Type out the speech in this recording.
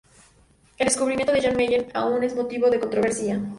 El descubrimiento de Jan Mayen aún es motivo de controversia.